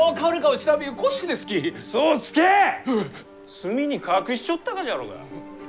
隅に隠しちょったがじゃろうが。